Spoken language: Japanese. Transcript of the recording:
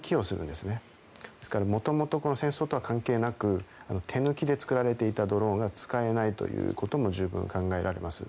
ですから、元々戦争とは関係なく手抜きで作られていたドローンが使えないということも十分考えられます。